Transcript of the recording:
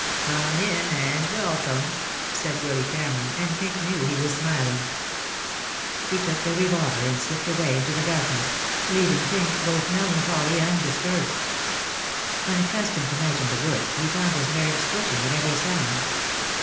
"Come in and welcome," said Willy Cameron, and Pink knew he was smiling. He took the revolver and slipped away into the darkness, leaving Pink both melancholy and disturbed. Unaccustomed to night in the woods, he found his nerves twitching at every sound.